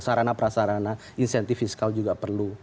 sarana prasarana insentif fiskal juga perlu